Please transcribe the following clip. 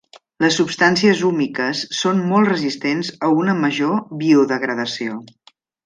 Les substàncies húmiques són molt resistents a una major biodegradació.